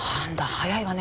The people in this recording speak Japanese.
早いわね